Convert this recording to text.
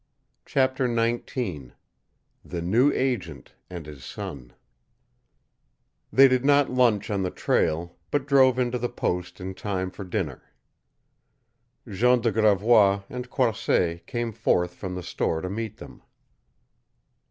CHAPTER XIX THE NEW AGENT AND HIS SON They did not lunch on the trail, but drove into the post in time for dinner. Jean de Gravois and Croisset came forth from the store to meet them.